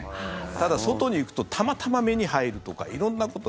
ただ、外に行くとたまたま目に入るとか色んなことが。